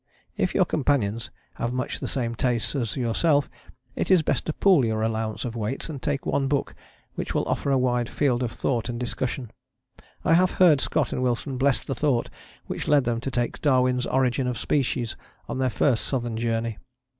If your companions have much the same tastes as yourself it is best to pool your allowance of weights and take one book which will offer a wide field of thought and discussion. I have heard Scott and Wilson bless the thought which led them to take Darwin's Origin of Species on their first Southern Journey.